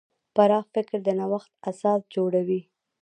پراخ فکر د نوښت اساس جوړوي.